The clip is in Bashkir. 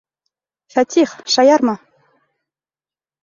Фәтих, шаярма!